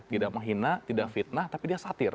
tidak menghina tidak fitnah tapi dia satir